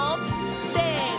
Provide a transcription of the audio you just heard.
せの！